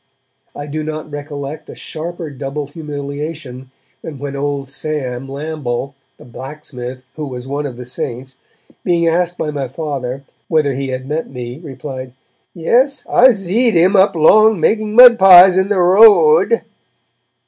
I do not recollect a sharper double humiliation than when old Sam Lamble, the blacksmith, who was one of the 'saints', being asked by my Father whether he had met me, replied 'Yes, I zeed 'un up long, making mud pies in the ro ad!'